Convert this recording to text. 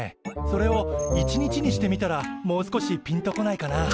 それを１日にしてみたらもう少しピンと来ないかな。